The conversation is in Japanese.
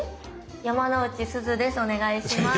山之内すずです。